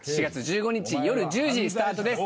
４月１５日夜１０時スタートです